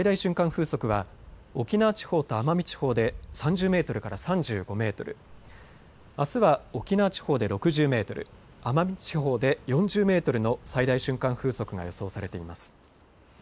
風速は沖縄地方と奄美地方で３０メートルから３５メートル、あすは沖縄地方で６０メートル、奄美地方で４０メートルの最大瞬間風速が予想されています。